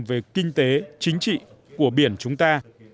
về kinh tế chính trị của biển chúng ta